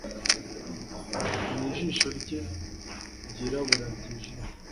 nijisho rye ryirabura ryijimye